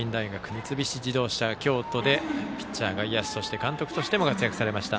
三菱自動車京都でピッチャー、外野手、そして監督としても活躍されました